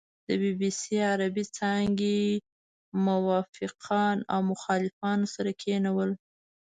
د بي بي سي عربې څانګې موافقان او مخالفان سره کېنول.